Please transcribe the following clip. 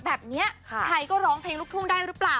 แบบนี้ใครก็ร้องเพลงลูกทุ่งได้หรือเปล่า